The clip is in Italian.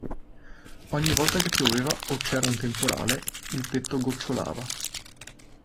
Ogni volta che pioveva o c'era un temporale, il tetto gocciolava.